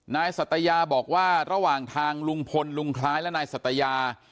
นายสัตยาบอกว่าระหว่างทางลุงพลลุงคล้ายและนายสัตยา